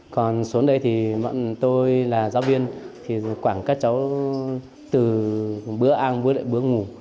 còn xuống đây thì bọn tôi là giáo viên thì quảng các cháu từ bữa ăn với lại bữa ngủ